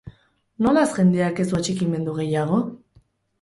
Nolaz jendeak ez du atxikimendu gehiago?